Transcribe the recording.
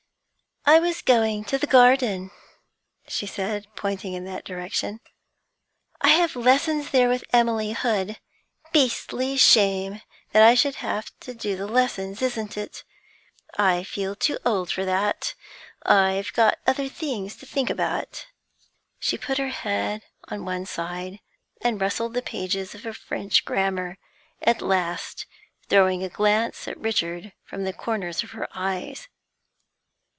'I was going to the garden,' she said, pointing in that direction. 'I have lessons there with Emily Hood. Beastly shame that I should have to do lessons, isn't it? I feel too old for that; I've got other things to think about.' She put her head on one side, and rustled the pages of a French grammar, at last throwing a glance at Richard from the corners of her eyes.